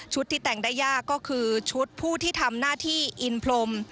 ที่แต่งได้ยากก็คือชุดผู้ที่ทำหน้าที่อินพรม